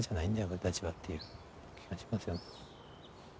俺たちは」っていう気はしますよ。